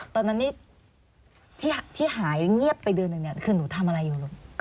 ตอนนั้นนี่ที่หายเงียบไปเดือนหนึ่งคือหนูทำอะไรอยู่ลูก